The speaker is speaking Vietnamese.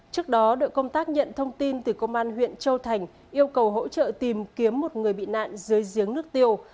trước đó đội công tác nhận thông tin từ công an huyện châu thành yêu cầu hỗ trợ tìm kiếm một người bị nạn dưới giếng nước tiêu